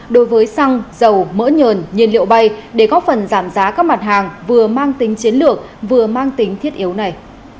đối với xăng dầu mỡ nhờn nhiên liệu bay để góp phần giảm giá các mặt hàng vừa mang tính chiến lược vừa mang tính thiết yếu này